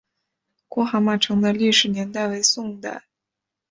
郭蛤蟆城的历史年代为宋代。